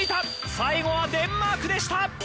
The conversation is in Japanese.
最後はデンマークでした。